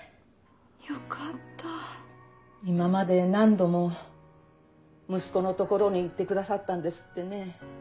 よかった今まで何度も息子の所に行ってくださったんですってね。